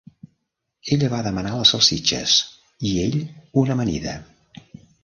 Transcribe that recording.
Ella va demanar les salsitxes, i ell, una amanida.